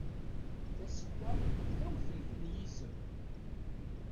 Tasedda d tawtemt n yizem.